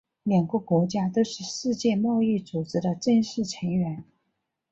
两个国家都是世界贸易组织的正式成员。